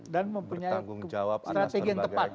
dan mempunyai strategi yang tepat